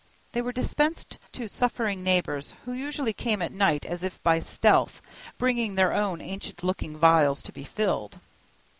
They were dispensed to suffering neighbors, who usually came at night as if by stealth, bringing their own ancient looking vials to be filled.